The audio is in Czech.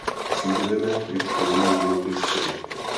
Sledujeme, jak se mění životní styl.